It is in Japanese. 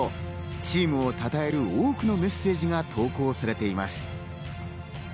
チームを称える多くのメッセージが投稿されています。